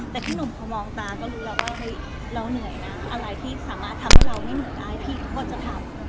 แต่พี่หนุ่มพอมองตาก็รู้แล้วว่าเฮ้ยเราเหนื่อยนะอะไรที่สามารถทำให้เราไม่เหนื่อยได้พี่เขาก็จะทำ